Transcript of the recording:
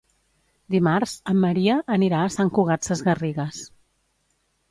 Dimarts en Maria anirà a Sant Cugat Sesgarrigues.